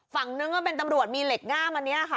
ฝั่งนึงก็เป็นตำรวจมีเหล็กง่ามอันนี้ค่ะ